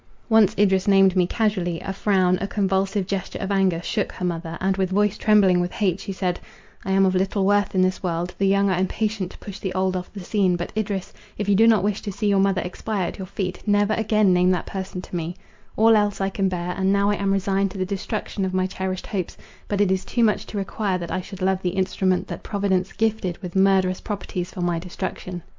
Once Idris named me casually—a frown, a convulsive gesture of anger, shook her mother, and, with voice trembling with hate, she said—"I am of little worth in this world; the young are impatient to push the old off the scene; but, Idris, if you do not wish to see your mother expire at your feet, never again name that person to me; all else I can bear; and now I am resigned to the destruction of my cherished hopes: but it is too much to require that I should love the instrument that providence gifted with murderous properties for my destruction."